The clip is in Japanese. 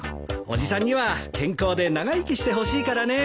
伯父さんには健康で長生きしてほしいからね。